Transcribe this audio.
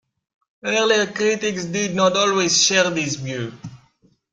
Earlier critics did not always share this view.